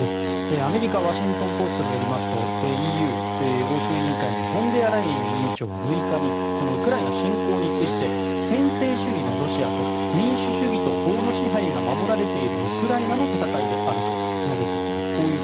アメリカ、ワシントン・ポスト紙によりますとＥＵ欧州委員会のフォンデアライエン委員長は６日にウクライナ侵攻について専制主義のロシアと民主主義と法の支配が守られているウクライナの戦いであると述べています。